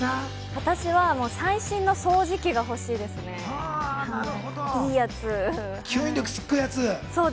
私は最新の掃除機が欲しいで吸引力すごいやつ。